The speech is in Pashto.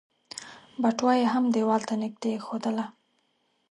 بټوه يې هم ديوال ته نږدې ايښودله.